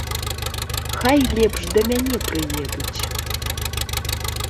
Хай лепш да мяне прыедуць!